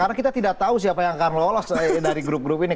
karena kita tidak tahu siapa yang akan lolos dari grup grup ini